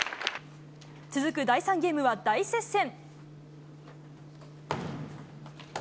続く第３ゲームは大接戦。